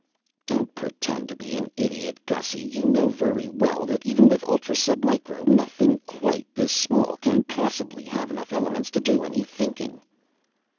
"Don't pretend to be an idiot, Gussy! You know very well that even with ultra sub micro nothing quite this small can possibly have enough elements to do any thinking."